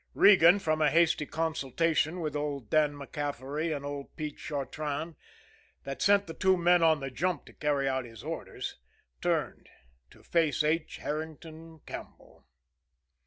Regan, from a hasty consultation with old Dan MacCaffery and old Pete Chartrand, that sent the two men on the jump to carry out his orders, turned to face H. Herrington Campbell.